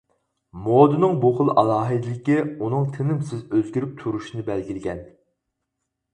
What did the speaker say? مودىنىڭ بۇ خىل ئالاھىدىلىكى ئۇنىڭ تىنىمسىز ئۆزگىرىپ تۇرۇشىنى بەلگىلىگەن.